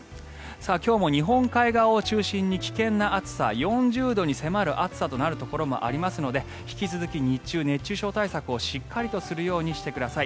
今日も日本海側を中心に危険な暑さ４０度に迫る暑さとなるところもありますので引き続き日中、熱中症対策をしっかりとするようにしてください。